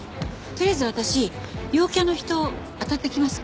とりあえず私陽キャの人当たってきます。